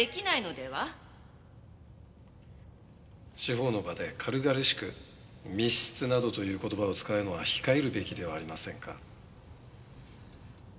司法の場で軽々しく密室などという言葉を使うのは控えるべきではありませんか？